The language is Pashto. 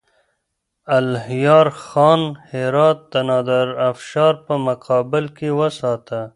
الهيار خان هرات د نادرافشار په مقابل کې وساته.